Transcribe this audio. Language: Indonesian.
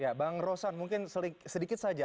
ya bang rosan mungkin sedikit saja